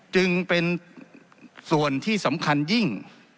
จึงเป็นส่วนที่สำคัญยิ่ง